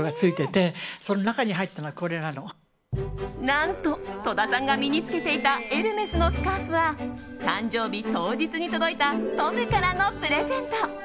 何と戸田さんが身に着けていたエルメスのスカーフは誕生日当日に届いたトムからのプレゼント。